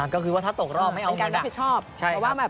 ก็คือว่าถ้าตกรอบไม่เอาเงินล่ะใช่ครับเป็นการรับผิดชอบ